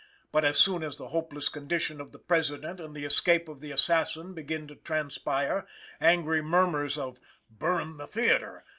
But, as soon as the hopeless condition of the President and the escape of the assassin begin to transpire, angry murmurs of "Burn the Theatre!"